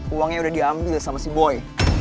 uangnya udah diambil sama si boy